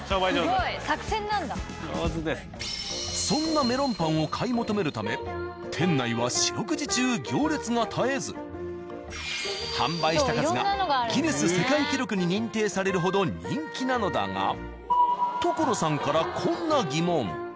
そんなメロンパンを買い求めるため店内は四六時中行列が絶えず販売した数がギネス世界記録に認定されるほど人気なのだが。